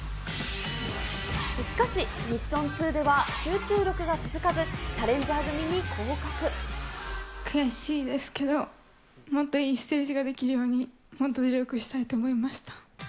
しかし、ミッション２では集中力が続かず、悔しいですけど、もっといいステージができるように、もっと努力したいと思いました。